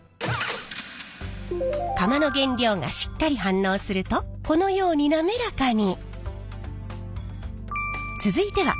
釜の原料がしっかり反応するとこのように滑らかに。